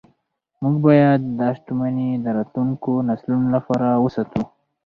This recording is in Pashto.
موږ باید دا شتمني د راتلونکو نسلونو لپاره وساتو